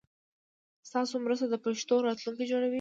ستاسو مرسته د پښتو راتلونکی جوړوي.